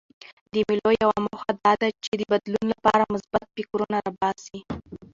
د مېلو یوه موخه دا ده، چي د بدلون له پاره مثبت فکرونه راباسي.